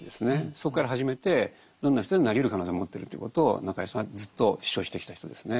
そこから始めてどんな人でもなりうる可能性持ってるということを中井さんはずっと主張してきた人ですね。